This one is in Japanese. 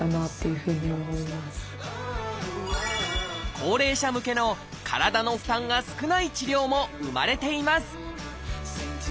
高齢者向けの体の負担が少ない治療も生まれています